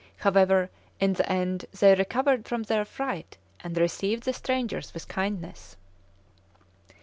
However, in the end they recovered from their fright and received the strangers with kindness.